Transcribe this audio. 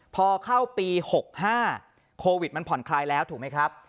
พอเข้าปี๖๕โควิดมันผ่อนคลายแล้วถูกไหมครับ